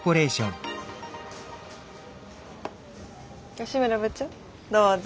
吉村部長どうぞ。